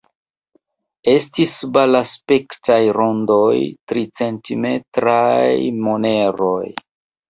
Estis belaspektaj rondaj, tricentimetraj moneroj.